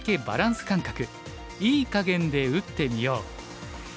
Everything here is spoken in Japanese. バランス感覚“いい”かげんで打ってみよう」。